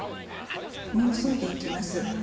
身をそいで行きます。